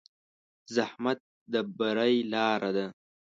زحمت د بری لاره ده.